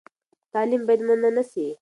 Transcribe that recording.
تعلیم باید منع نه سي.